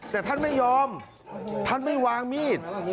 แต่ท่านไม่ยอมท่านไม่วางมีด